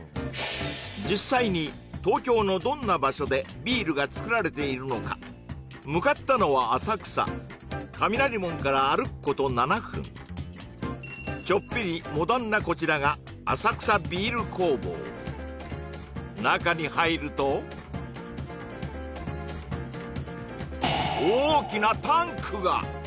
実際に東京のどんな場所でビールがつくられているのか向かったのは浅草雷門から歩くこと７分ちょっぴりモダンなこちらが中に入ると大きなタンクが！